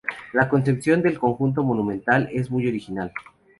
La concepción del conjunto monumental es muy original.